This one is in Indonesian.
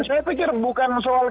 saya pikir bukan soal